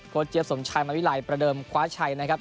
โคลดเจี๊ยบสนชายมาวิไลน์ประเดิมคว้าชัยนะครับ